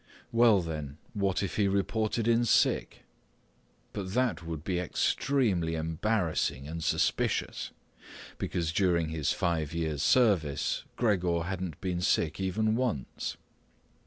Well then, what if he reported in sick? But that would be extremely embarrassing and suspicious, because during his five years' service Gregor hadn't been sick even once.